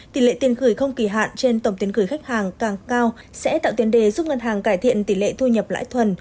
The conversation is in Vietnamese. tỷ lệ tiền gửi không kỳ hạn trên tổng tiền gửi khách hàng càng cao sẽ tạo tiền đề giúp ngân hàng cải thiện tỷ lệ thu nhập lãi thuần